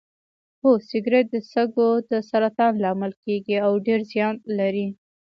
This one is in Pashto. هو سګرټ د سږو د سرطان لامل کیږي او ډیر زیان لري